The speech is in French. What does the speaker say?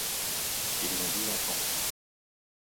Ils ont dix enfants.